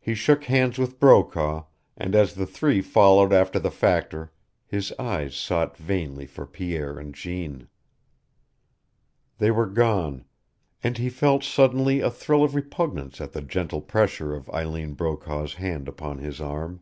He shook hands with Brokaw, and as the three followed after the factor his eyes sought vainly for Pierre and Jeanne. They were gone, and he felt suddenly a thrill of repugnance at the gentle pressure of Eileen Brokaw's hand upon his arm.